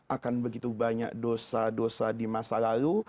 akan begitu banyak dosa dosa di masa lalu